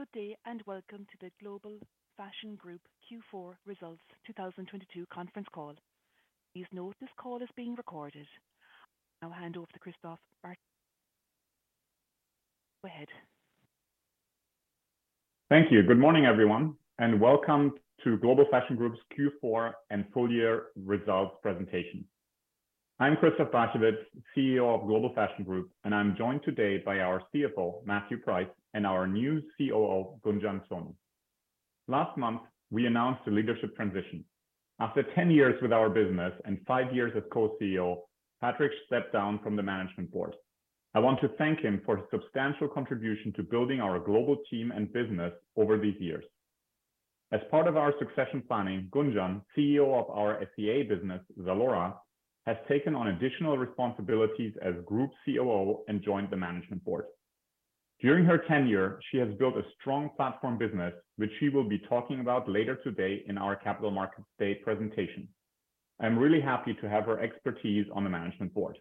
Good day, welcome to the Global Fashion Group Q4 results 2022 conference call. Please note this call is being recorded. I'll hand over to Christoph Barchewitz. Go ahead. Thank you. Good morning, everyone, and welcome to Global Fashion Group's Q4 and full year results presentation. I'm Christoph Barchewitz, CEO of Global Fashion Group, and I'm joined today by our CFO, Matthew Price, and our new COO, Gunjan Soni. Last month, we announced a leadership transition. After 10 years with our business and 5 years as Co-CEO, Patrick stepped down from the management board. I want to thank him for his substantial contribution to building our global team and business over these years. As part of our succession planning, Gunjan, CEO of our S.E.A. business, ZALORA, has taken on additional responsibilities as Group COO and joined the management board. During her tenure, she has built a strong platform business, which she will be talking about later today in our Capital Markets Day presentation. I'm really happy to have her expertise on the management board.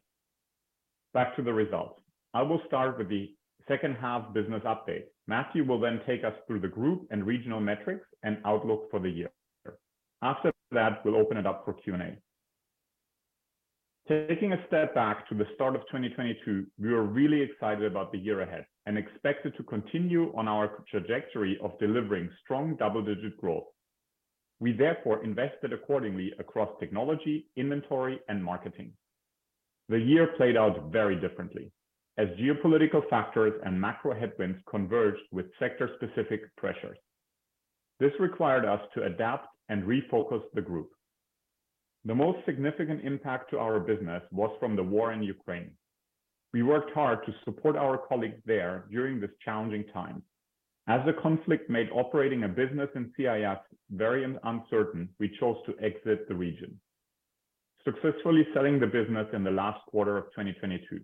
Back to the results. I will start with the second half business update. Matthew will take us through the group and regional metrics and outlook for the year. After that, we'll open it up for Q&A. Taking a step back to the start of 2022, we were really excited about the year ahead and expected to continue on our trajectory of delivering strong double-digit growth. We therefore invested accordingly across technology, inventory, and marketing. The year played out very differently as geopolitical factors and macro headwinds converged with sector-specific pressures. This required us to adapt and refocus the group. The most significant impact to our business was from the war in Ukraine. We worked hard to support our colleagues there during this challenging time. As the conflict made operating a business in CIS very uncertain, we chose to exit the region, successfully selling the business in the last quarter of 2022.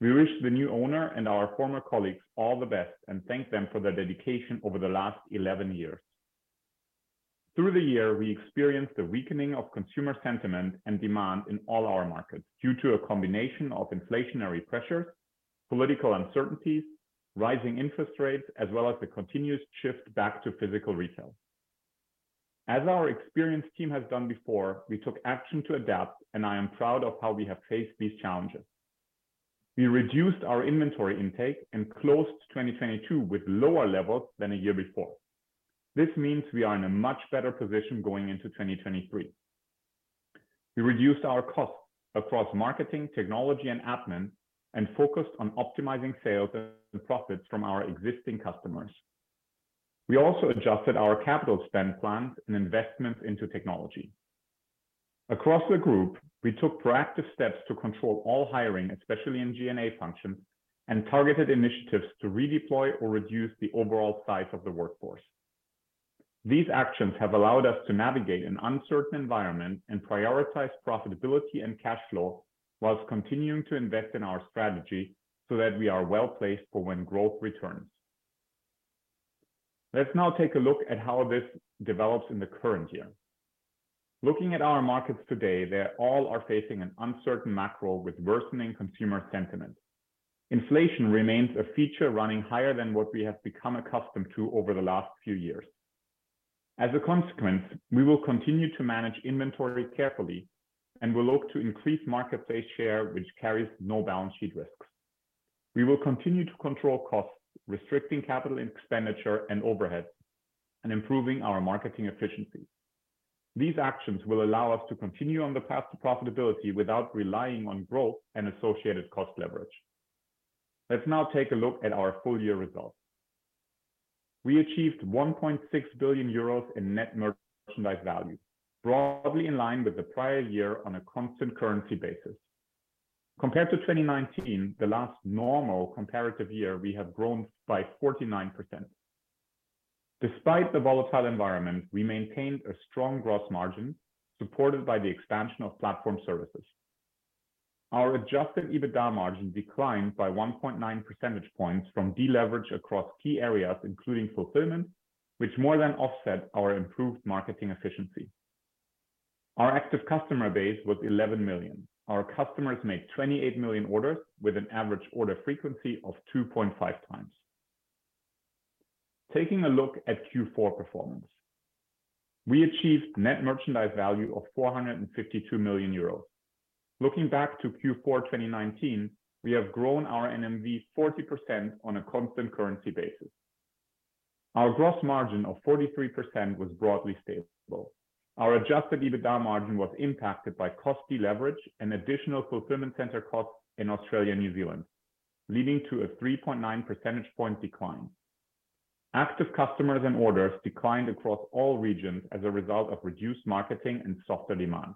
We wish the new owner and our former colleagues all the best and thank them for their dedication over the last 11 years. Through the year, we experienced a weakening of consumer sentiment and demand in all our markets due to a combination of inflationary pressures, political uncertainties, rising interest rates, as well as the continuous shift back to physical retail. As our experienced team has done before, we took action to adapt, and I am proud of how we have faced these challenges. We reduced our inventory intake and closed 2022 with lower levels than a year before. This means we are in a much better position going into 2023. We reduced our costs across marketing, technology and admin and focused on optimizing sales and profits from our existing customers. We also adjusted our capital spend plans and investments into technology. Across the group, we took proactive steps to control all hiring, especially in G&A functions, and targeted initiatives to redeploy or reduce the overall size of the workforce. These actions have allowed us to navigate an uncertain environment and prioritize profitability and cash flow while continuing to invest in our strategy so that we are well-placed for when growth returns. Let's now take a look at how this develops in the current year. Looking at our markets today, they all are facing an uncertain macro with worsening consumer sentiment. Inflation remains a feature running higher than what we have become accustomed to over the last few years. As a consequence, we will continue to manage inventory carefully and will look to increase market base share, which carries no balance sheet risks. We will continue to control costs, restricting capital expenditure and overheads, and improving our marketing efficiency. These actions will allow us to continue on the path to profitability without relying on growth and associated cost leverage. Let's now take a look at our full year results. We achieved 1.6 billion euros in net merchandise value, broadly in line with the prior year on a constant currency basis. Compared to 2019, the last normal comparative year, we have grown by 49%. Despite the volatile environment, we maintained a strong gross margin supported by the expansion of platform services. Our adjusted EBITDA margin declined by 1.9 percentage points from deleverage across key areas, including fulfillment, which more than offset our improved marketing efficiency. Our active customer base was 11 million. Our customers made 28 million orders with an average order frequency of 2.5 times. Taking a look at Q4 performance. We achieved net merchandise value of 452 million euros. Looking back to Q4 2019, we have grown our NMV 40% on a constant currency basis. Our gross margin of 43% was broadly stable. Our adjusted EBITDA margin was impacted by cost deleverage and additional fulfillment center costs in Australia and New Zealand, leading to a 3.9 percentage point decline. Active customers and orders declined across all regions as a result of reduced marketing and softer demand.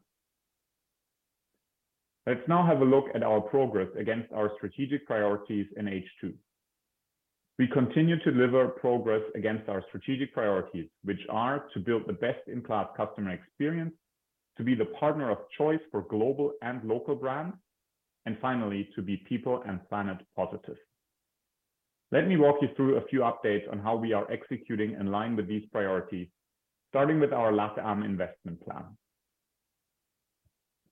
Let's now have a look at our progress against our strategic priorities in H2. We continue to deliver progress against our strategic priorities, which are to build the best-in-class customer experience, to be the partner of choice for global and local brands, and finally, to be People & Planet Positive. Let me walk you through a few updates on how we are executing in line with these priorities, starting with our LATAM investment plan.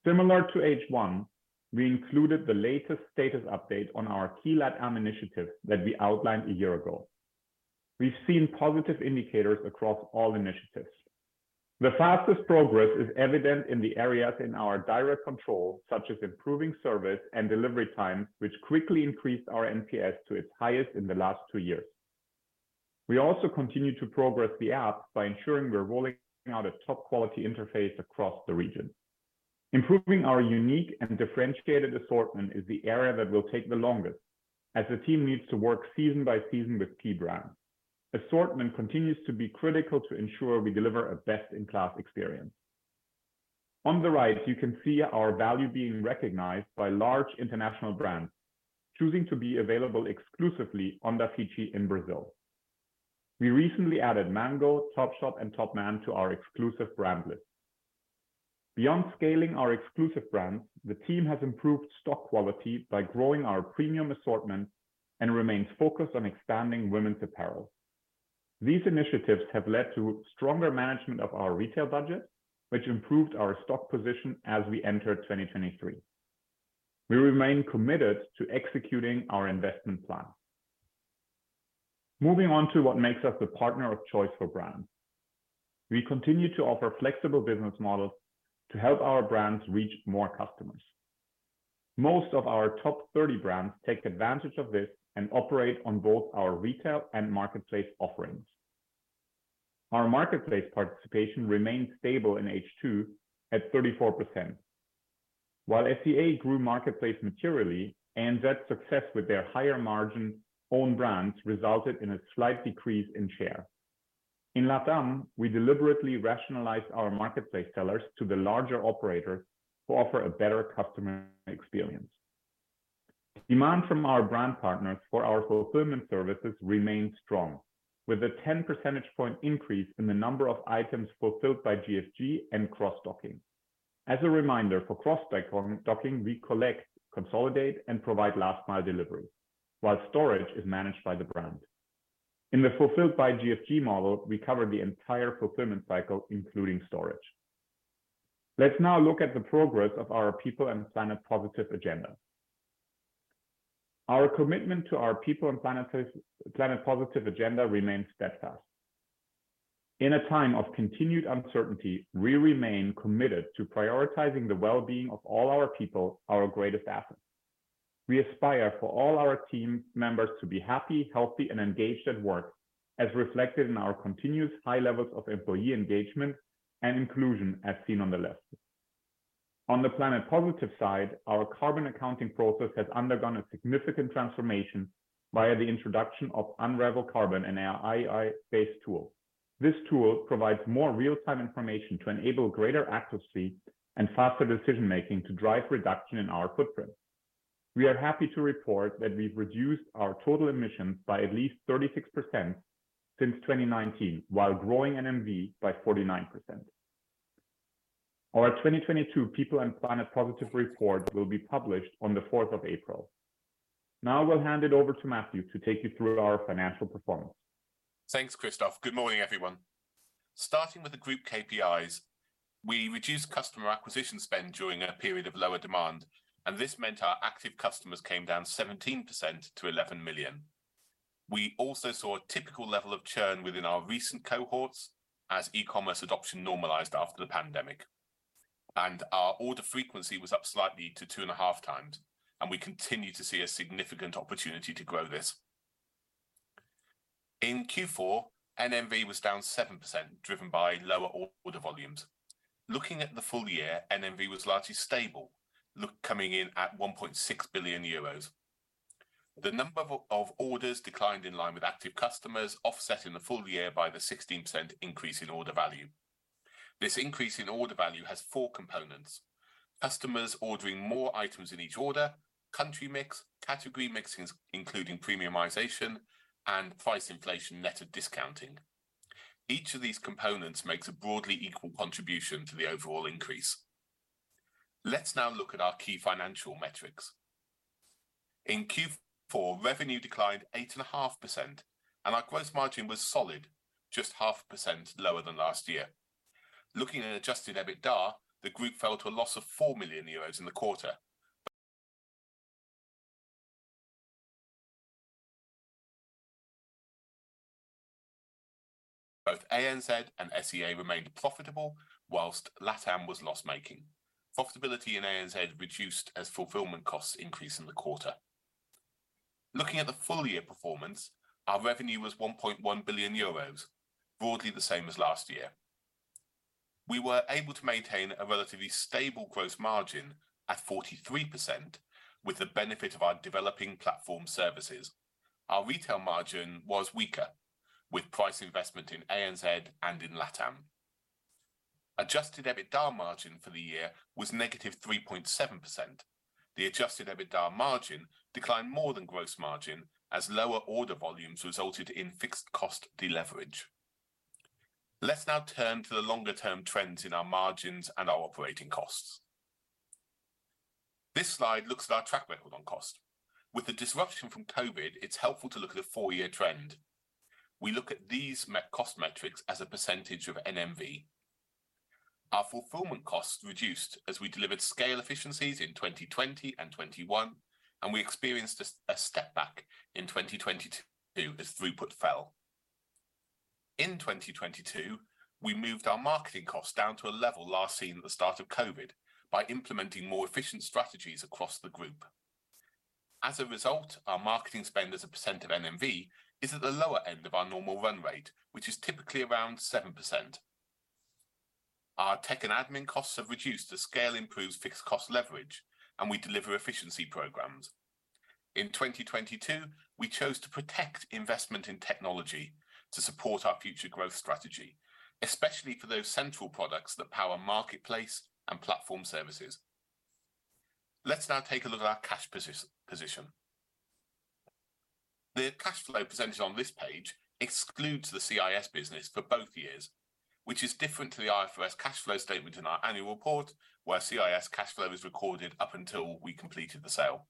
Similar to H1, we included the latest status update on our key LATAM initiatives that we outlined a year ago. We've seen positive indicators across all initiatives. The fastest progress is evident in the areas in our direct control, such as improving service and delivery time, which quickly increased our NPS to its highest in the last 2 years. We also continue to progress the app by ensuring we're rolling out a top-quality interface across the region. Improving our unique and differentiated assortment is the area that will take the longest, as the team needs to work season by season with key brands. Assortment continues to be critical to ensure we deliver a best-in-class experience. On the right, you can see our value being recognized by large international brands choosing to be available exclusively on Dafiti in Brazil. We recently added Mango, Topshop, and Topman to our exclusive brand list. Beyond scaling our exclusive brands, the team has improved stock quality by growing our premium assortment and remains focused on expanding women's apparel. These initiatives have led to stronger management of our retail budget, which improved our stock position as we enter 2023. We remain committed to executing our investment plan. Moving on to what makes us the partner of choice for brands. We continue to offer flexible business models to help our brands reach more customers. Most of our top 30 brands take advantage of this and operate on both our retail and marketplace offerings. Our marketplace participation remained stable in H2 at 34%. While S.E.A. grew marketplace materially, A.N.Z. success with their higher margin own brands resulted in a slight decrease in share. In LATAM, we deliberately rationalize our marketplace sellers to the larger operators who offer a better customer experience. Demand from our brand partners for our fulfillment services remains strong, with a 10 percentage point increase in the number of items fulfilled by GFG and cross-docking. As a reminder, for cross-docking, we collect, consolidate, and provide last mile delivery, while storage is managed by the brand. In the fulfilled by GFG model, we cover the entire fulfillment cycle, including storage. Let's now look at People & Planet Positive agenda remains steadfast. in a time of continued uncertainty, we remain committed to prioritizing the well-being of all our people, our greatest asset. We aspire for all our team members to be happy, healthy, and engaged at work, as reflected in our continuous high levels of employee engagement and inclusion as seen on the left. On the Planet Positive side, our carbon accounting process has undergone a significant transformation via the introduction of Unravel Carbon and our AI-based tool. This tool provides more real-time information to enable greater accuracy and faster decision-making to drive reduction in our footprint. We are happy to report that we've reduced our total emissions by at least 36% since 2019, while growing NMV by 49%. Our People & Planet Positive report will be published on the 4th of April. Now I will hand it over to Matthew to take you through our financial performance. Thanks, Christoph. Good morning, everyone. Starting with the group KPIs, we reduced customer acquisition spend during a period of lower demand, this meant our active customers came down 17% to 11 million. We also saw a typical level of churn within our recent cohorts as e-commerce adoption normalized after the pandemic, our order frequency was up slightly to 2.5 times, we continue to see a significant opportunity to grow this. In Q4, NMV was down 7%, driven by lower order volumes. Looking at the full year, NMV was largely stable, coming in at 1.6 billion euros. The number of orders declined in line with active customers, offsetting the full year by the 16% increase in order value. This increase in order value has four components: customers ordering more items in each order, country mix, category mix, including premiumization, and price inflation net of discounting. Each of these components makes a broadly equal contribution to the overall increase. Let's now look at our key financial metrics. In Q4, revenue declined 8.5%, and our gross margin was solid, just 0.5% lower than last year. Looking at adjusted EBITDA, the group fell to a loss of 4 million euros in the quarter. Both A.N.Z. and S.E.A. remained profitable, while LATAM was loss-making. Profitability in A.N.Z. reduced as fulfillment costs increased in the quarter. Looking at the full year performance, our revenue was 1.1 billion euros, broadly the same as last year. We were able to maintain a relatively stable gross margin at 43% with the benefit of our developing platform services. Our retail margin was weaker with price investment in A.N.Z. and in LATAM. Adjusted EBITDA margin for the year was -3.7%. The adjusted EBITDA margin declined more than gross margin as lower order volumes resulted in fixed cost deleverage. Let's now turn to the longer-term trends in our margins and our operating costs. This slide looks at our track record on cost. With the disruption from COVID, it's helpful to look at a four-year trend. We look at these cost metrics as a percentage of NMV. Our fulfillment costs reduced as we delivered scale efficiencies in 2020 and 2021, and we experienced a step back in 2022 as throughput fell. In 2022, we moved our marketing costs down to a level last seen at the start of COVID by implementing more efficient strategies across the group. Our marketing spend as a % of NMV is at the lower end of our normal run rate, which is typically around 7%. Our tech and admin costs have reduced as scale improves fixed cost leverage, and we deliver efficiency programs. In 2022, we chose to protect investment in technology to support our future growth strategy, especially for those central products that power marketplace and platform services. Let's now take a look at our cash position. The cash flow presented on this page excludes the CIS business for both years, which is different to the IFRS cash flow statement in our annual report, where CIS cash flow is recorded up until we completed the sale.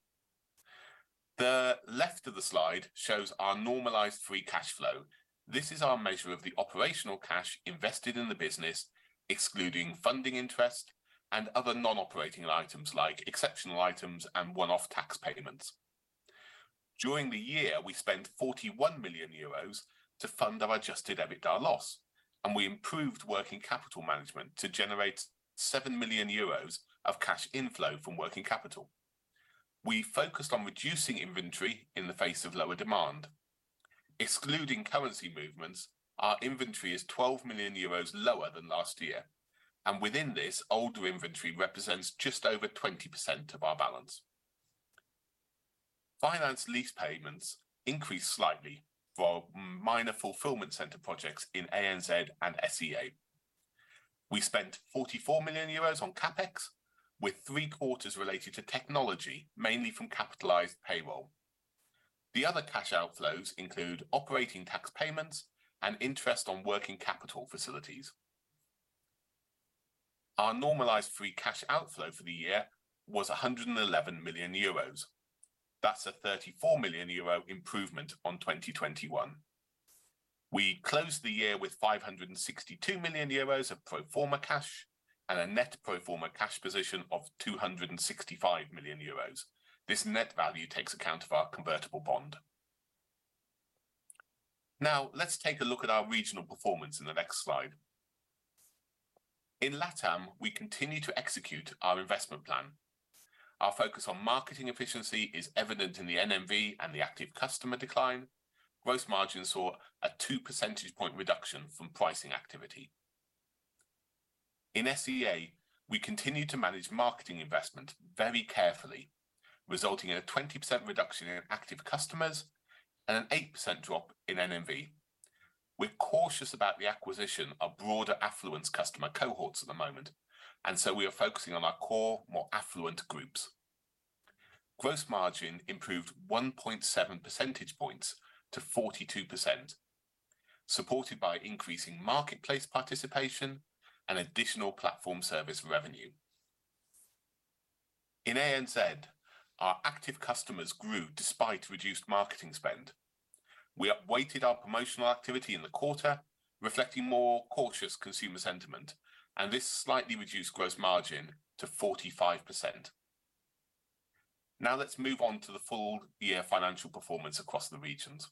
The left of the slide shows our normalized free cash flow. This is our measure of the operational cash invested in the business, excluding funding interest and other non-operating items like exceptional items and one-off tax payments. During the year, we spent 41 million euros to fund our adjusted EBITDA loss, and we improved working capital management to generate 7 million euros of cash inflow from working capital. We focused on reducing inventory in the face of lower demand. Excluding currency movements, our inventory is 12 million euros lower than last year, and within this, older inventory represents just over 20% of our balance. Finance lease payments increased slightly for minor fulfillment center projects in A.N.Z. and S.E.A. We spent 44 million euros on CapEx, with three-quarters related to technology, mainly from capitalized payroll. The other cash outflows include operating tax payments and interest on working capital facilities. Our normalized free cash outflow for the year was 111 million euros. That's a 34 million euro improvement on 2021. We closed the year with 562 million euros of pro forma cash and a net pro forma cash position of 265 million euros. This net value takes account of our convertible bond. Let's take a look at our regional performance in the next slide. In LATAM, we continue to execute our investment plan. Our focus on marketing efficiency is evident in the NMV and the active customer decline. Gross margin saw a 2 percentage point reduction from pricing activity. In S.E.A., we continue to manage marketing investment very carefully, resulting in a 20% reduction in active customers and an 8% drop in NMV. We're cautious about the acquisition of broader affluence customer cohorts at the moment, and so we are focusing on our core, more affluent groups. Gross margin improved 1.7 percentage points to 42%, supported by increasing marketplace participation and additional platform service revenue. In A.N.Z., our active customers grew despite reduced marketing spend. We weighted our promotional activity in the quarter, reflecting more cautious consumer sentiment, and this slightly reduced gross margin to 45%. Now, let's move on to the full year financial performance across the regions.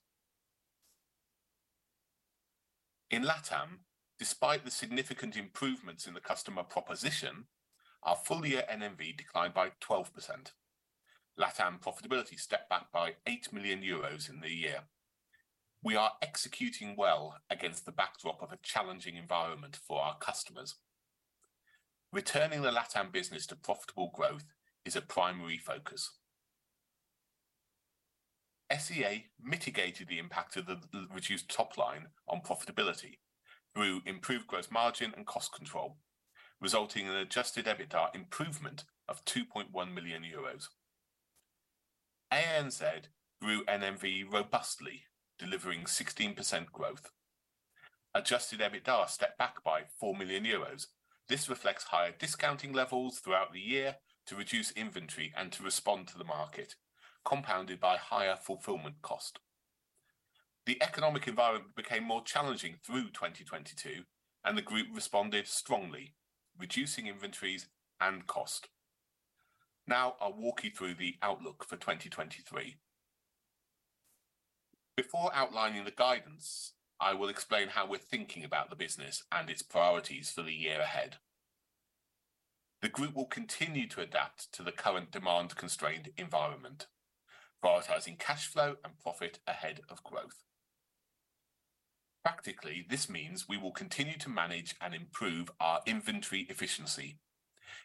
In LATAM, despite the significant improvements in the customer proposition, our full-year NMV declined by 12%. LATAM profitability stepped back by 8 million euros in the year. We are executing well against the backdrop of a challenging environment for our customers. Returning the LATAM business to profitable growth is a primary focus. SEA mitigated the impact of the reduced top line on profitability through improved gross margin and cost control, resulting in an adjusted EBITDA improvement of 2.1 million euros. A.N.Z. grew NMV robustly, delivering 16% growth. Adjusted EBITDA stepped back by 4 million euros. This reflects higher discounting levels throughout the year to reduce inventory and to respond to the market, compounded by higher fulfillment cost. The economic environment became more challenging through 2022, and the group responded strongly, reducing inventories and cost. Now, I'll walk you through the outlook for 2023. Before outlining the guidance, I will explain how we're thinking about the business and its priorities for the year ahead. The group will continue to adapt to the current demand-constrained environment, prioritizing cash flow and profit ahead of growth. Practically, this means we will continue to manage and improve our inventory efficiency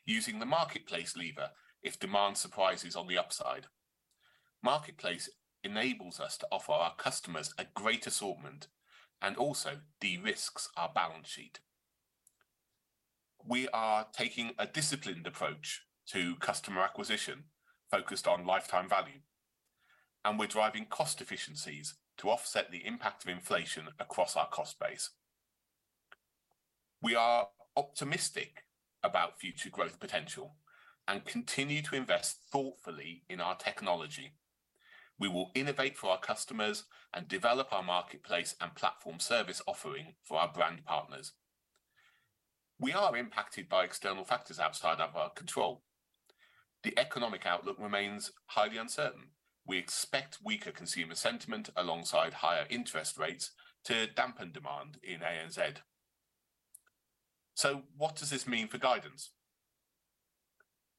using the marketplace lever if demand surprises on the upside. Marketplace enables us to offer our customers a great assortment and also de-risks our balance sheet. We are taking a disciplined approach to customer acquisition focused on lifetime value, and we're driving cost efficiencies to offset the impact of inflation across our cost base. We are optimistic about future growth potential and continue to invest thoughtfully in our technology. We will innovate for our customers and develop our marketplace and platform service offering for our brand partners. We are impacted by external factors outside of our control. The economic outlook remains highly uncertain. We expect weaker consumer sentiment alongside higher interest rates to dampen demand in A.N.Z.. What does this mean for guidance?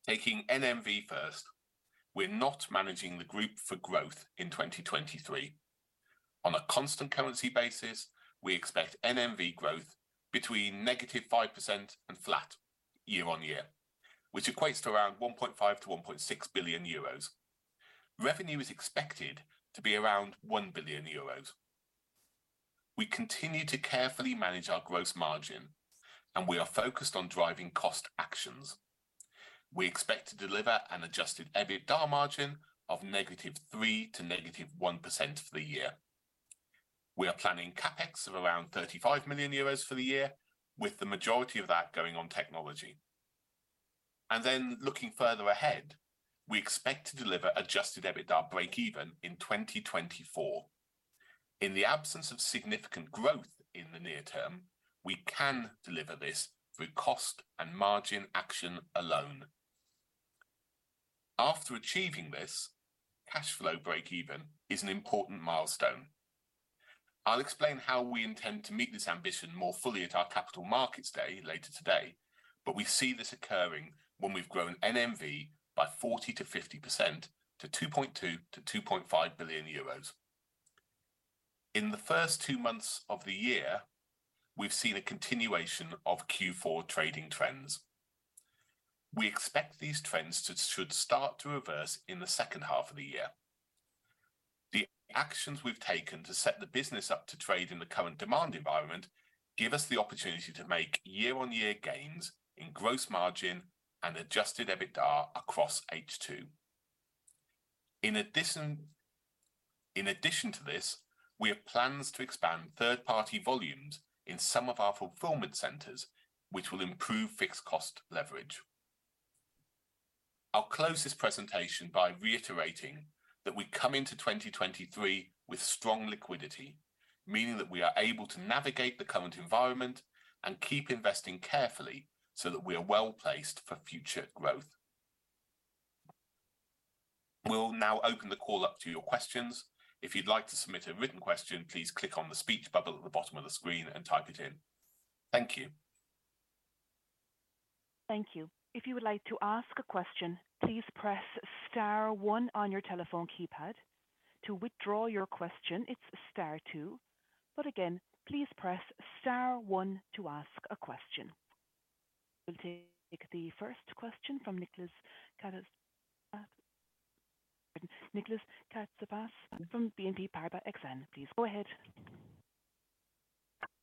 Taking NMV first, we're not managing the group for growth in 2023. On a constant currency basis, we expect NMV growth between -5% and flat year-over-year, which equates to around 1.5 billion-1.6 billion euros. Revenue is expected to be around 1 billion euros. We continue to carefully manage our gross margin. We are focused on driving cost actions. We expect to deliver an adjusted EBITDA margin of -3% to -1% for the year. We are planning CapEx of around 35 million euros for the year, with the majority of that going on technology. Looking further ahead, we expect to deliver adjusted EBITDA breakeven in 2024. In the absence of significant growth in the near term, we can deliver this through cost and margin action alone. After achieving this, cash flow breakeven is an important milestone. I'll explain how we intend to meet this ambition more fully at our Capital Markets Day later today. We see this occurring when we've grown NMV by 40%-50% to 2.2 billion-2.5 billion euros. In the first 2 months of the year, we've seen a continuation of Q4 trading trends. We expect these trends should start to reverse in the second half of the year. The actions we've taken to set the business up to trade in the current demand environment give us the opportunity to make year-on-year gains in gross margin and adjusted EBITDA across H2. In addition to this, we have plans to expand third-party volumes in some of our fulfillment centers, which will improve fixed cost leverage. I'll close this presentation by reiterating that we come into 2023 with strong liquidity, meaning that we are able to navigate the current environment and keep investing carefully so that we are well-placed for future growth. We'll now open the call up to your questions. If you'd like to submit a written question, please click on the speech bubble at the bottom of the screen and type it in. Thank you. Thank you. If you would like to ask a question, please press star one on your telephone keypad. To withdraw your question, it's star two. Again, please press star one to ask a question. We'll take the first question from Nicolas Katsapas from BNP Paribas Exane. Please go ahead.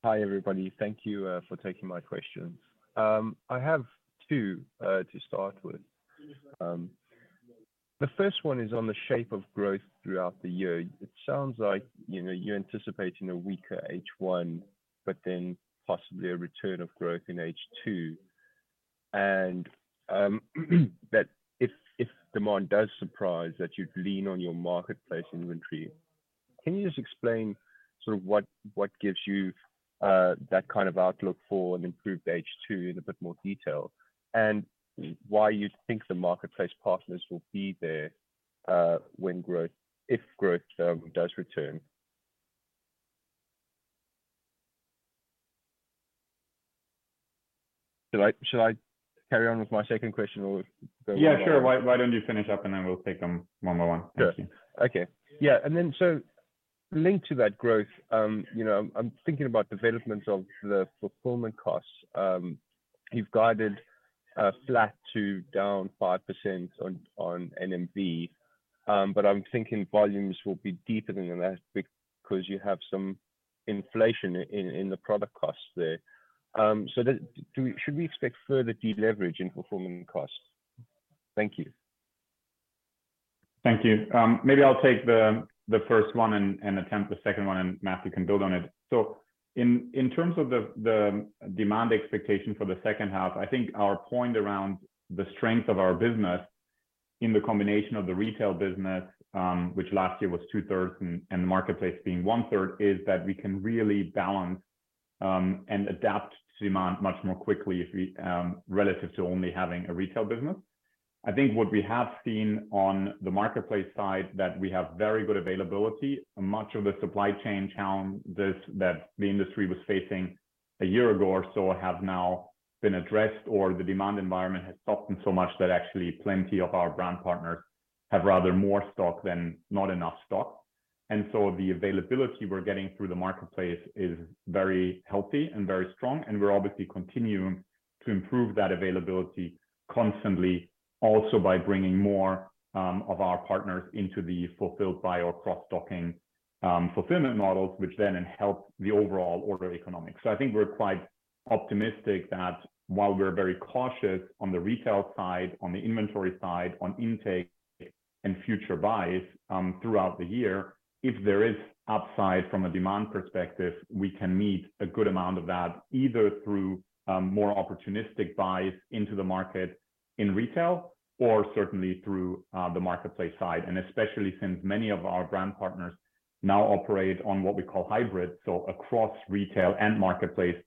Hi, everybody. Thank you for taking my questions. I have two to start with. The first one is on the shape of growth throughout the year. It sounds like, you know, you're anticipating a weaker H1, but then possibly a return of growth in H2. That if demand does surprise that you'd lean on your marketplace inventory. Can you just explain sort of what gives you that kind of outlook for an improved H2 in a bit more detail? Why you think the marketplace partners will be there if growth does return? Should I carry on with my second question? Yeah, sure. Why don't you finish up and then we'll take them one by one. Thank you. Yeah. Okay. Yeah. Linked to that growth, you know, I'm thinking about development of the fulfillment costs. You've guided flat to down 5% on NMV. I'm thinking volumes will be deeper than that because you have some inflation in the product costs there. Should we expect further deleverage in fulfillment costs? Thank you. Thank you. Maybe I'll take the first one and attempt the second one, and Matthew can build on it. In terms of the demand expectation for the second half, I think our point around the strength of our business in the combination of the retail business, which last year was 2/3 and the marketplace being 1/3, is that we can really balance and adapt to demand much more quickly if we relative to only having a retail business. I think what we have seen on the marketplace side, that we have very good availability. Much of the supply chain challenge that the industry was facing a year ago or so have now been addressed or the demand environment has softened so much that actually plenty of our brand partners have rather more stock than not enough stock. The availability we're getting through the marketplace is very healthy and very strong, and we're obviously continuing to improve that availability constantly also by bringing more of our partners into the fulfilled by or cross-docking fulfillment models, which then help the overall order economics. I think we're quite optimistic that while we're very cautious on the retail side, on the inventory side, on intake and future buys throughout the year, if there is upside from a demand perspective, we can meet a good amount of that, either through more opportunistic buys into the market in retail or certainly through the marketplace side. Especially since many of our brand partners now operate on what we call hybrid, so across retail and marketplace,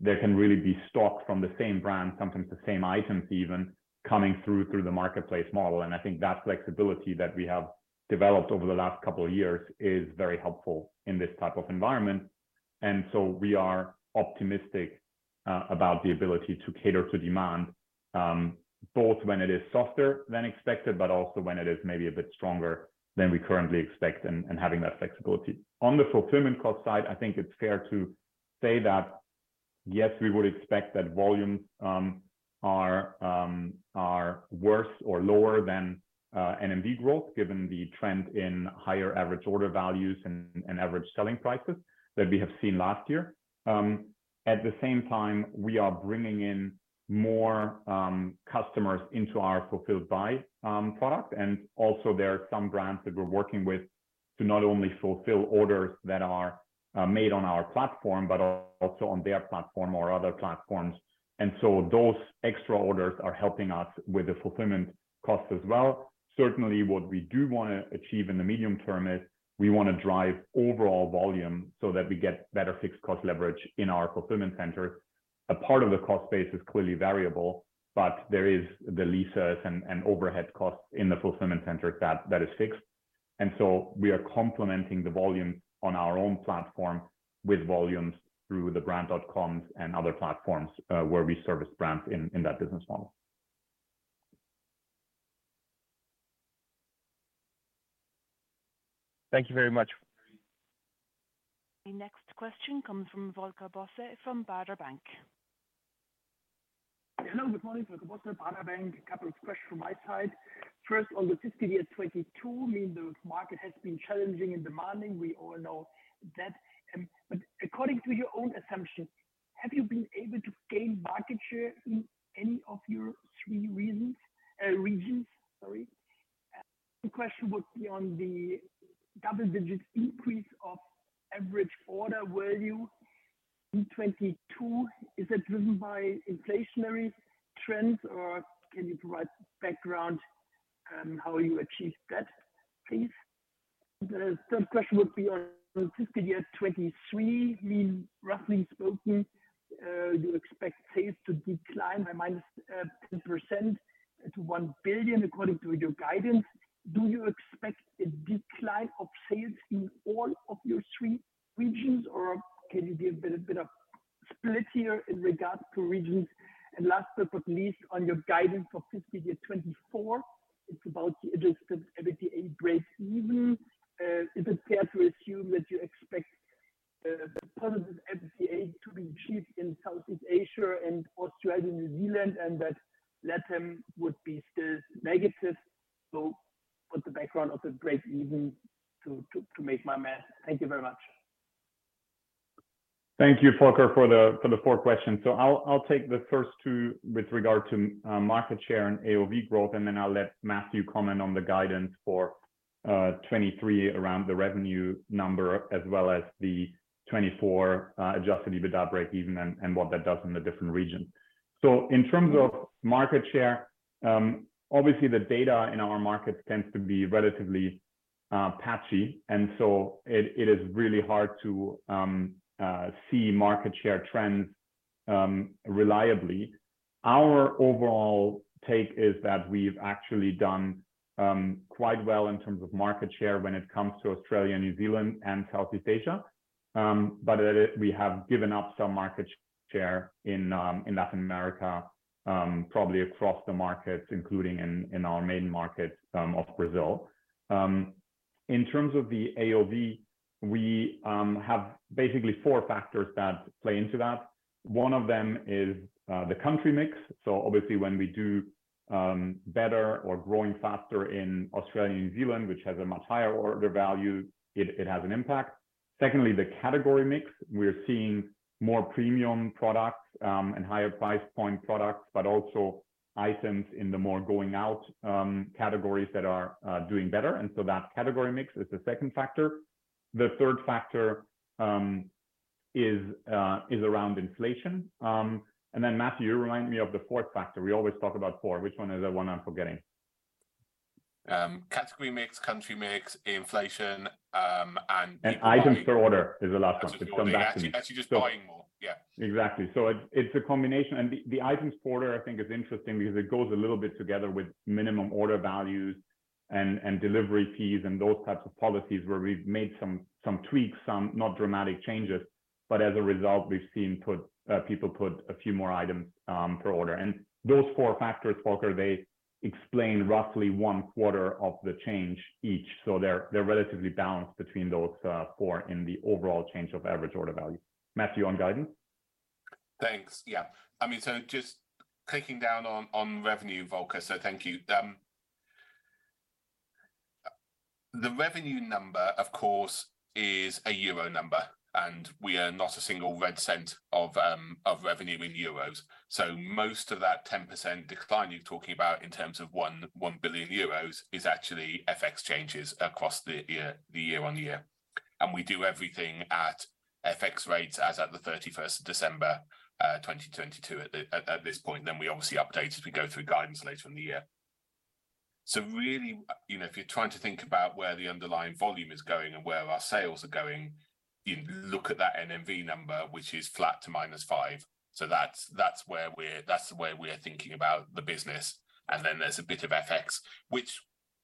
there can really be stock from the same brand, sometimes the same items even, coming through the marketplace model. I think that flexibility that we have developed over the last couple of years is very helpful in this type of environment. We are optimistic about the ability to cater to demand, both when it is softer than expected, but also when it is maybe a bit stronger than we currently expect and having that flexibility. On the fulfillment cost side, I think it's fair to say that, yes, we would expect that volumes are worse or lower than NMV growth, given the trend in higher average order values and average selling prices that we have seen last year. At the same time, we are bringing in more customers into our fulfilled by product. Also there are some brands that we're working with to not only fulfill orders that are made on our platform, but also on their platform or other platforms. Those extra orders are helping us with the fulfillment costs as well. Certainly, what we do wanna achieve in the medium term is we wanna drive overall volume so that we get better fixed cost leverage in our fulfillment centers. A part of the cost base is clearly variable, but there is the leases and overhead costs in the fulfillment center that is fixed. We are complementing the volume on our own platform with volumes through the brand dot coms and other platforms, where we service brands in that business model. Thank you very much. The next question comes from Volker Bosse from Baader Bank. Hello, good morning. Volker Bosse, Baader Bank. A couple of questions from my side. First, on the fiscal year 2022, I mean, the market has been challenging and demanding. We all know that. According to your own assumptions, have you been able to gain market share in any of your three regions? Sorry. The second question would be on the double-digit increase of average order value in 2022. Is that driven by inflationary trends, or can you provide background on how you achieved that, please? The third question would be on fiscal year 2023. I mean, roughly spoken, you expect sales to decline by -10% to 1 billion according to your guidance. Do you expect a decline of sales in all of your three regions, or can you give a bit of split here in regards to regions? Last but not least, on your guidance for fiscal year 2024, it's about the adjusted EBITDA breakeven. Is it fair to assume that you expect the positive adjusted EBITDA to be achieved in Southeast Asia and Australia, New Zealand, and that LATAM would be still negative? What's the background of the breakeven to make my math. Thank you very much. Thank you, Volker, for the four questions. I'll take the first two with regard to market share and AOV growth, and then I'll let Matthew comment on the guidance for 2023 around the revenue number as well as the 2024 adjusted EBITDA breakeven and what that does in the different regions. In terms of market share, obviously the data in our markets tends to be relatively patchy, and so it is really hard to see market share trends reliably. Our overall take is that we've actually done quite well in terms of market share when it comes to Australia, New Zealand, and Southeast Asia. We have given up some market share in Latin America, probably across the markets, including in our main market of Brazil. In terms of the AOV, we have basically four factors that play into that. One of them is the country mix. Obviously when we do better or growing faster in Australia, New Zealand, which has a much higher order value, it has an impact. Secondly, the category mix. We're seeing more premium products and higher price point products, but also items in the more going out categories that are doing better. That category mix is the second factor. The third factor is around inflation. Matthew, you remind me of the fourth factor. We always talk about four. Which one is the one I'm forgetting? Category mix, country mix, inflation. Items per order is the last one. Items per order. Actually, just buying more. Yeah. Exactly. It's a combination. The items per order I think is interesting because it goes a little bit together with minimum order values and delivery fees and those types of policies where we've made some tweaks, some not dramatic changes. As a result, we've seen people put a few more items per order. Those four factors, Volker, they explain roughly one quarter of the change each. They're relatively balanced between those four in the overall change of average order value. Matthew, on guidance? Thanks. Yeah. I mean, just clicking down on revenue, Volker, thank you. The revenue number, of course, is a euro number, and we earn not a single red cent of revenue in euros. Most of that 10% decline you're talking about in terms of 1 billion euros is actually FX changes across the year-on-year. We do everything at FX rates as at the 31st December, 2022 at this point, we obviously update as we go through guidance later in the year. Really, you know, if you're trying to think about where the underlying volume is going and where our sales are going, you look at that NMV number, which is flat to -5%. That's the way we're thinking about the business. There's a bit of FX which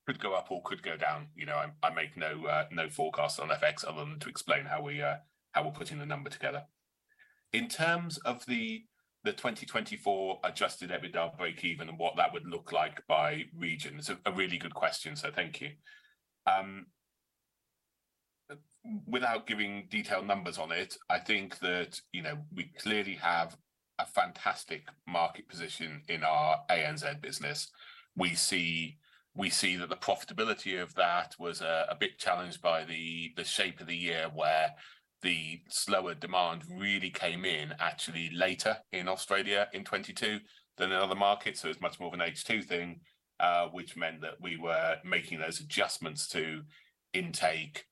could go up or could go down. You know, I make no forecast on FX other than to explain how we're putting the number together. In terms of the 2024 adjusted EBITDA breakeven and what that would look like by region, it's a really good question, thank you. Without giving detailed numbers on it, I think that, you know, we clearly have a fantastic market position in our A.N.Z. business. We see that the profitability of that was a bit challenged by the shape of the year, where the slower demand really came in actually later in Australia in 2022 than in other markets, it's much more of an H2 thing, which meant that we were making those adjustments to intake,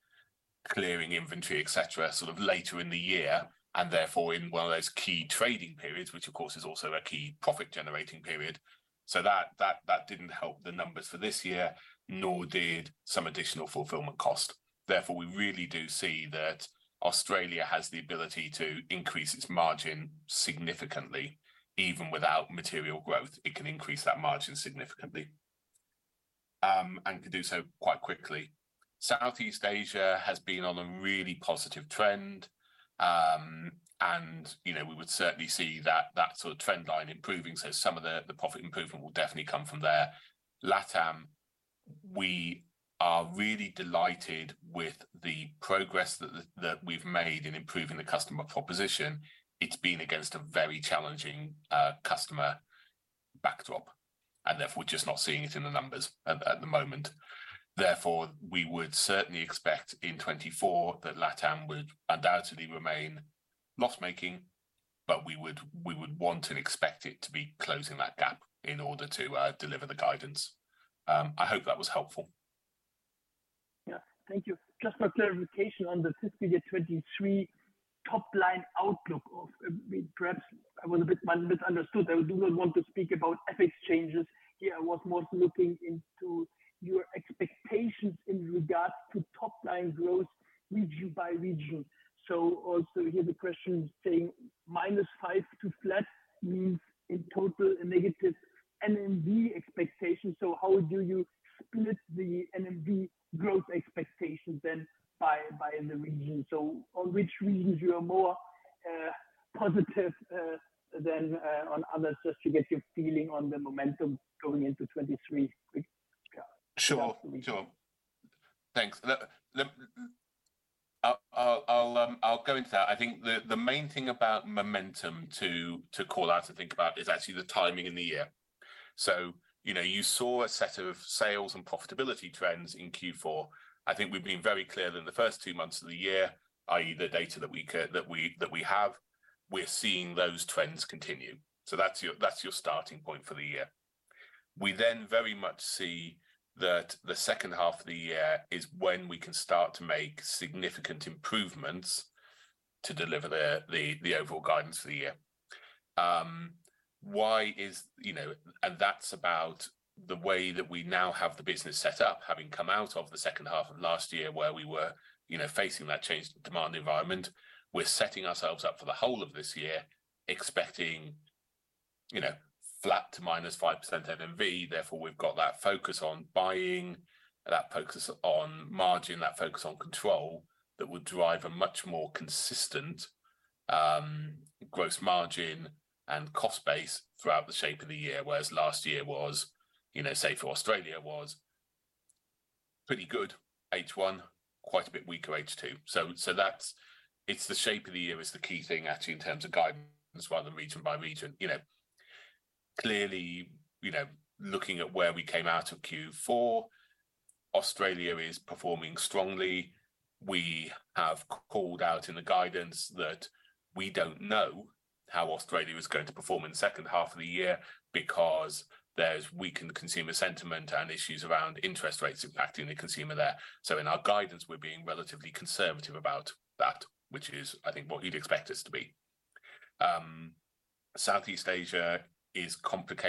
clearing inventory, etc., sort of later in the year. Therefore, in one of those key trading periods, which of course is also a key profit-generating period. That didn't help the numbers for this year, nor did some additional fulfillment cost. Therefore, we really do see that Australia has the ability to increase its margin significantly. Even without material growth, it can increase that margin significantly, and could do so quite quickly. Southeast Asia has been on a really positive trend, and, you know, we would certainly see that sort of trend line improving, so some of the profit improvement will definitely come from there. LATAM, we are really delighted with the progress that we've made in improving the customer proposition. It's been against a very challenging customer backdrop, and therefore we're just not seeing it in the numbers at the moment. We would certainly expect in 2024 that LATAM would undoubtedly remain loss-making, but we would want and expect it to be closing that gap in order to deliver the guidance. I hope that was helpful. Yeah. Thank you. Just for clarification on the fiscal year 2023 topline outlook, perhaps I was a bit, might have misunderstood. I do not want to speak about FX changes here. I was more looking into your expectations in regard to topline growth region by region. Also here the question saying -5% to flat means in total a negative NMV expectation. How do you split the NMV growth expectation then by the region? On which regions you are more positive than on others, just to get your feeling on the momentum going into 2023? Sure. Sure. Thanks. Let I'll go into that. I think the main thing about momentum to call out to think about is actually the timing in the year. You know, you saw a set of sales and profitability trends in Q4. I think we've been very clear that in the first two months of the year, i.e. the data that we have, we're seeing those trends continue. That's your, that's your starting point for the year. We then very much see that the second half of the year is when we can start to make significant improvements to deliver the, the overall guidance for the year. Why is, you know, that's about the way that we now have the business set up, having come out of the second half of last year where we were, you know, facing that changed demand environment. We're setting ourselves up for the whole of this year expecting, you know, flat to -5% NMV. Therefore, we've got that focus on buying, that focus on margin, that focus on control that will drive a much more consistent gross margin and cost base throughout the shape of the year. Whereas last year was, you know, say for Australia, was pretty good H1, quite a bit weaker H2. That's the shape of the year is the key thing actually in terms of guidance rather than region by region. You know, clearly, you know, looking at where we came out of Q4, Australia is performing strongly. We have called out in the guidance that we don't know how Australia is going to perform in the second half of the year because there's weakened consumer sentiment and issues around interest rates impacting the consumer there. In our guidance, we're being relatively conservative about that, which is, I think, what you'd expect us to be. Southeast Asia is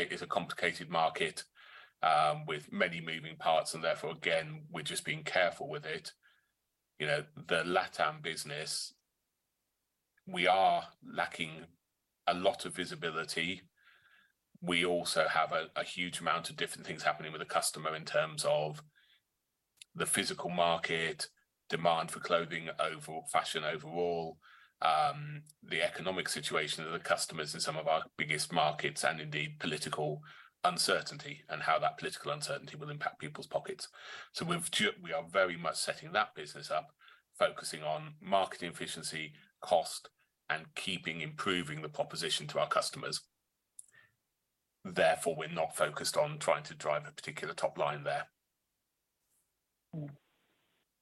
it's a complicated market, with many moving parts and therefore again, we're just being careful with it. You know, the LATAM business, we are lacking a lot of visibility. We also have a huge amount of different things happening with the customer in terms of the physical market, demand for clothing overall, fashion overall, the economic situation of the customers in some of our biggest markets, and indeed political uncertainty and how that political uncertainty will impact people's pockets. We are very much setting that business up, focusing on market efficiency, cost, and keeping improving the proposition to our customers. Therefore, we're not focused on trying to drive a particular top line there. Mm-hmm.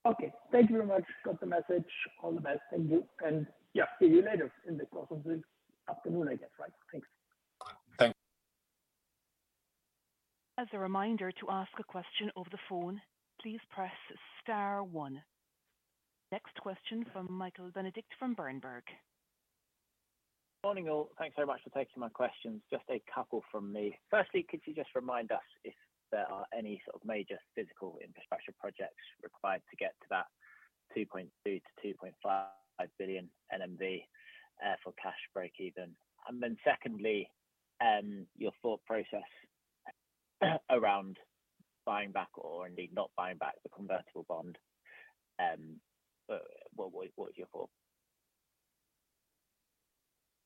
Okay. Thank you very much. Got the message. All the best. Thank you. Yeah, see you later in the course of the afternoon, I guess, right? Thanks. Thanks. As a reminder, to ask a question over the phone, please press star one. Next question from Michael Benedict from Berenberg. Morning, all. Thanks very much for taking my questions. Just a couple from me. Firstly, could you just remind us if there are any sort of major physical infrastructure projects required to get to that EUR 2.2 billion-EUR 2.5 billion NMV for cash breakeven? Secondly, your thought process around buying back or indeed not buying back the convertible bond. What is your thought?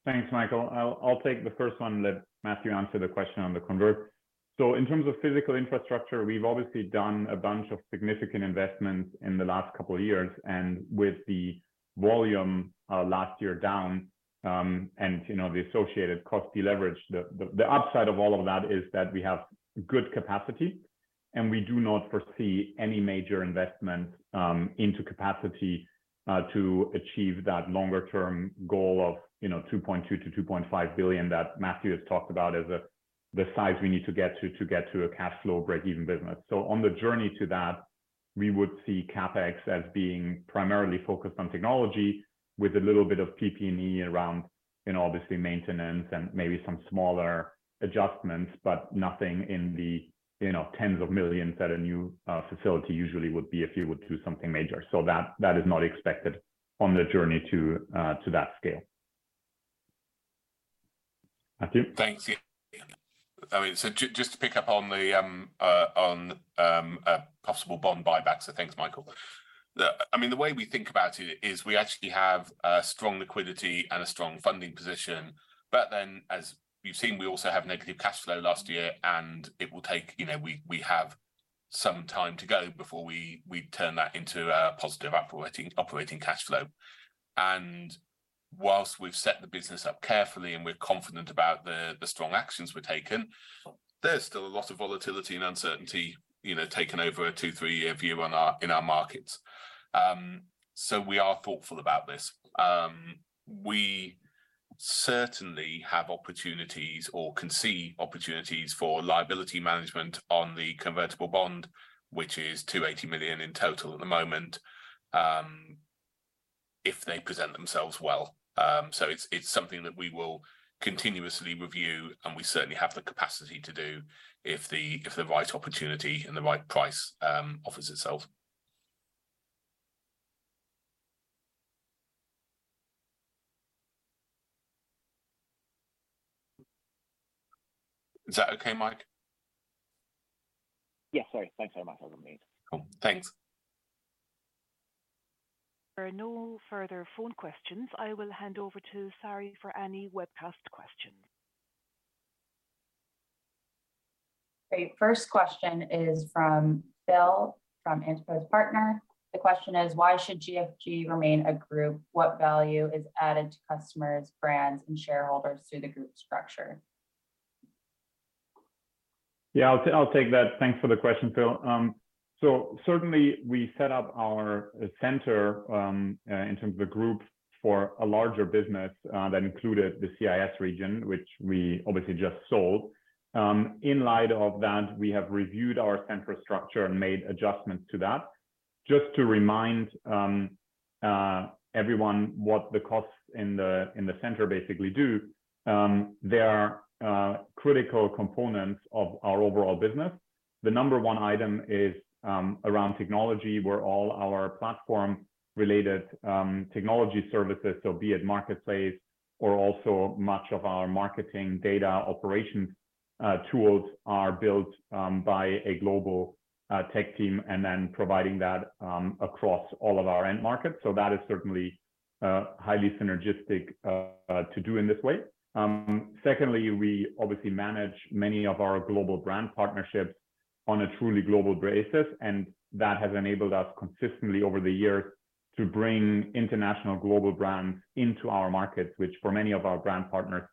Thanks, Michael. I'll take the first one, let Matthew answer the question on the convert. In terms of physical infrastructure, we've obviously done a bunch of significant investments in the last couple of years. With the volume last year down, and, you know, the associated cost deleverage, the upside of all of that is that we have good capacity, and we do not foresee any major investment into capacity to achieve that longer term goal of, you know, 2.2 billion-2.5 billion that Matthew has talked about as the size we need to get to get to a cash flow breakeven business. On the journey to that, we would see CapEx as being primarily focused on technology with a little bit of PP&E around, you know, obviously maintenance and maybe some smaller adjustments, but nothing in the, you know, tens of millions that a new facility usually would be if you would do something major. That is not expected on the journey to that scale. Matthew? Thanks. I mean, just to pick up on the possible bond buyback. Thanks, Michael. I mean, the way we think about it is we actually have a strong liquidity and a strong funding position. As you've seen, we also have negative cash flow last year, and it will take, you know, we have some time to go before we turn that into a positive operating cash flow. Whilst we've set the business up carefully and we're confident about the strong actions we've taken, there's still a lot of volatility and uncertainty, you know, taken over a 2-3-year view on our, in our markets. We are thoughtful about this. We certainly have opportunities or can see opportunities for liability management on the convertible bond, which is 280 million in total at the moment, if they present themselves well. It's, it's something that we will continuously review, and we certainly have the capacity to do if the, if the right opportunity and the right price, offers itself. Is that okay, Mike? Sorry. Thanks very much. That was me. Cool. Thanks. There are no further phone questions. I will hand over to Saori for any webcast questions. Great. First question is from Phil, from Enterprise Partner. The question is, why should GFG remain a group? What value is added to customers, brands, and shareholders through the group structure? Yeah, I'll take that. Thanks for the question, Phil. Certainly we set up our center in terms of the group for a larger business that included the CIS region, which we obviously just sold. In light of that, we have reviewed our center structure and made adjustments to that. Just to remind everyone what the costs in the center basically do, they are critical components of our overall business. The number one item is around technology, where all our platform related technology services, so be it marketplace or also much of our marketing data operations, tools are built by a global tech team and then providing that across all of our end markets. That is certainly highly synergistic to do in this way. Secondly, we obviously manage many of our global brand partnerships on a truly global basis, and that has enabled us consistently over the years to bring international global brands into our markets, which for many of our brand partners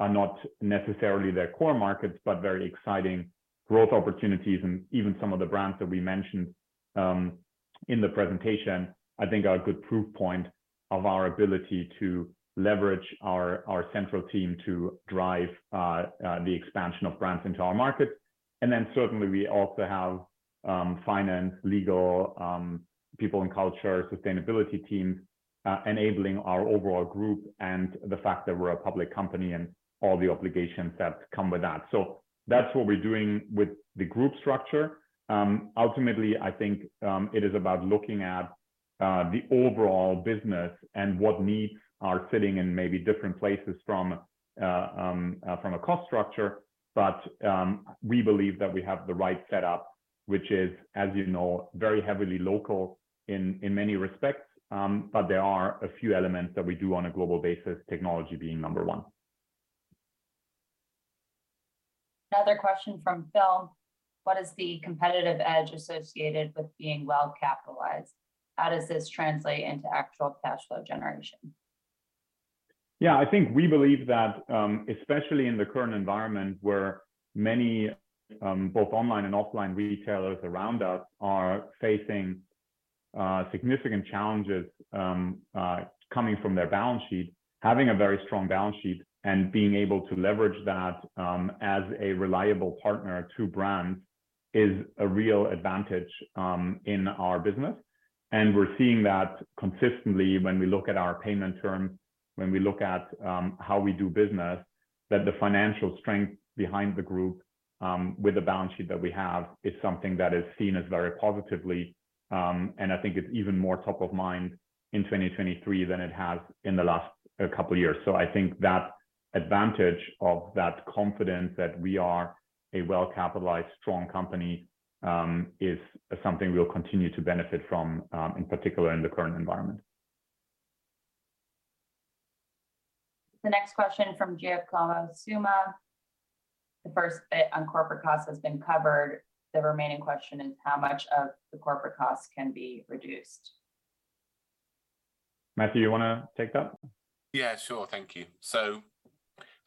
are not necessarily their core markets, but very exciting growth opportunities. Even some of the brands that we mentioned in the presentation, I think are a good proof point of our ability to leverage our central team to drive the expansion of brands into our market. Certainly we also have finance, legal, people and culture, sustainability team, enabling our overall group and the fact that we're a public company and all the obligations that come with that. That's what we're doing with the group structure. Ultimately, I think, it is about looking at the overall business and what needs are sitting in maybe different places from a cost structure. We believe that we have the right setup, which is, as you know, very heavily local in many respects. There are a few elements that we do on a global basis, technology being number one. Another question from Phil. What is the competitive edge associated with being well-capitalized? How does this translate into actual cash flow generation? Yeah, I think we believe that, especially in the current environment where many, both online and offline retailers around us are facing significant challenges, coming from their balance sheet. Having a very strong balance sheet and being able to leverage that, as a reliable partner to brands is a real advantage in our business. We're seeing that consistently when we look at our payment terms, when we look at, how we do business, that the financial strength behind the Group, with the balance sheet that we have is something that is seen as very positively. I think it's even more top of mind in 2023 than it has in the last couple years. I think that advantage of that confidence that we are a well-capitalized, strong company, is something we'll continue to benefit from, in particular in the current environment. The next question from Giacomo Summa. The first bit on corporate costs has been covered. The remaining question is how much of the corporate costs can be reduced? Matthew, you wanna take that? Yeah, sure. Thank you.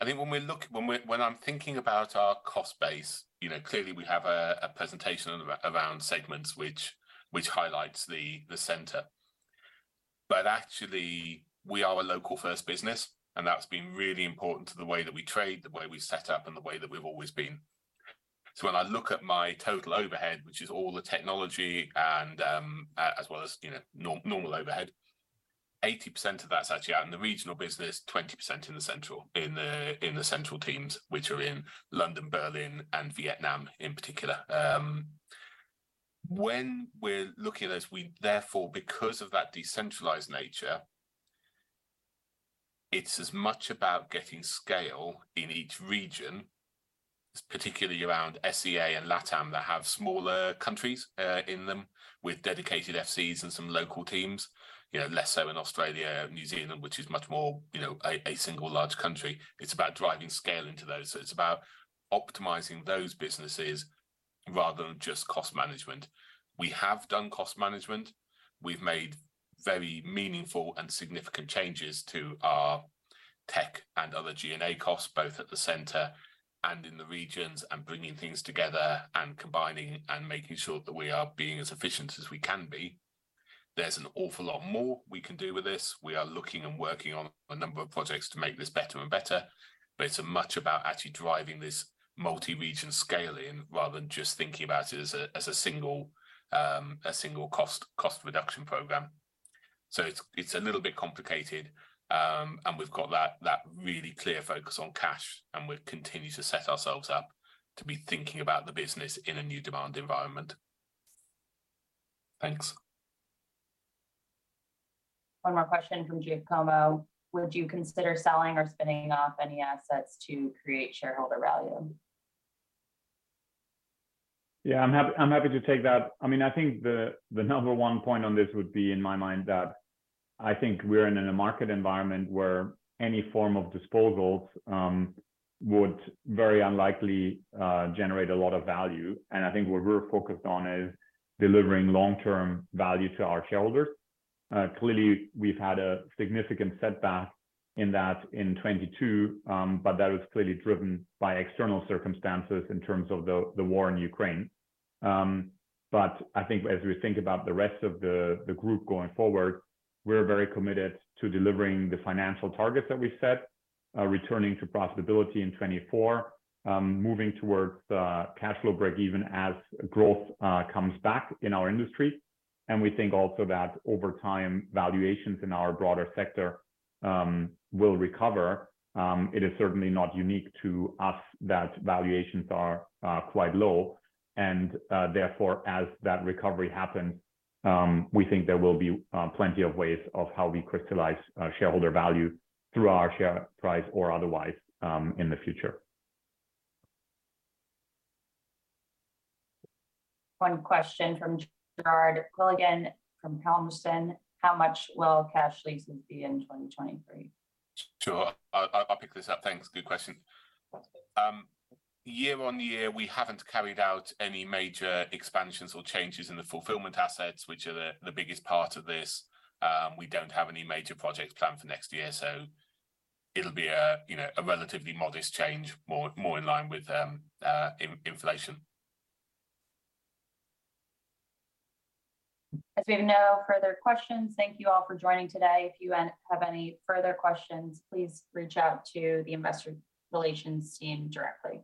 I think when I'm thinking about our cost base, you know, clearly we have a presentation around segments which highlights the center. Actually, we are a local first business, and that's been really important to the way that we trade, the way we set up, and the way that we've always been. When I look at my total overhead, which is all the technology and, as well as, you know, normal overhead, 80% of that's actually out in the regional business, 20% in the central teams, which are in London, Berlin, and Vietnam in particular. When we're looking at this, we therefore, because of that decentralized nature, it's as much about getting scale in each region, particularly around S.E.A. and LATAM that have smaller countries in them with dedicated FCs and some local teams. You know, less so in Australia and New Zealand, which is much more, you know, a single large country. It's about driving scale into those. It's about optimizing those businesses rather than just cost management. We have done cost management. We've made very meaningful and significant changes to our tech and other G&A costs, both at the center and in the regions, and bringing things together and combining and making sure that we are being as efficient as we can be. There's an awful lot more we can do with this. We are looking and working on a number of projects to make this better and better, but it's much about actually driving this multi-region scale in rather than just thinking about it as a single cost reduction program. It's a little bit complicated, and we've got that really clear focus on cash, and we'll continue to set ourselves up to be thinking about the business in a new demand environment. Thanks. One more question from Giacomo. Would you consider selling or spinning off any assets to create shareholder value? Yeah, I'm happy to take that. I mean, I think the number one point on this would be in my mind that I think we're in a market environment where any form of disposals would very unlikely generate a lot of value. I think what we're focused on is delivering long-term value to our shareholders. Clearly, we've had a significant setback in that in 2022, but that was clearly driven by external circumstances in terms of the war in Ukraine. I think as we think about the rest of the group going forward, we're very committed to delivering the financial targets that we've set, returning to profitability in 2024, moving towards cash flow breakeven as growth comes back in our industry. We think also that over time, valuations in our broader sector, will recover. It is certainly not unique to us that valuations are quite low and, therefore, as that recovery happens, we think there will be plenty of ways of how we crystallize shareholder value through our share price or otherwise, in the future. One question from Gerard Quilligan from Palmerston. How much will cash leases be in 2023? Sure. I'll pick this up. Thanks. Good question. Year on year, we haven't carried out any major expansions or changes in the fulfillment assets, which are the biggest part of this. We don't have any major projects planned for next year, so it'll be a, you know, a relatively modest change, more in line with inflation. We have no further questions, thank you all for joining today. If you have any further questions, please reach out to the investor relations team directly.